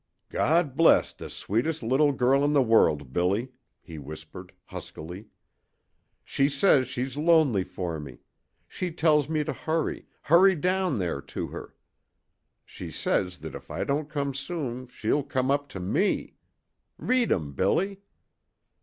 "God bless the sweetest little girl in the world, Billy!" he whispered, huskily. "She says she's lonely for me. She tells me to hurry hurry down there to her. She says that if I don't come soon she'll come up to me! Read 'em, Billy!"